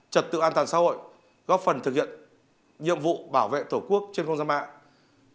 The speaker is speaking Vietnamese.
trật tự an toàn xã hội góp phần thực hiện nhiệm vụ bảo vệ tổ quốc trên không gian mạng